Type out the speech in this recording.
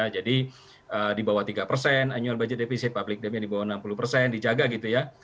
jadi di bawah tiga annual budget deficit public debt nya di bawah enam puluh dijaga gitu ya